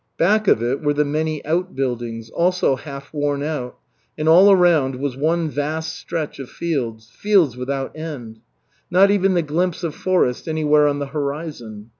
Back of it were the many out buildings, also half worn out, and all around was one vast stretch of fields fields without end. Not even the glimpse of forest anywhere on the horizon.